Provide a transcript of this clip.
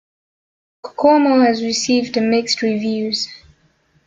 "Kokomo" has received mixed reviews.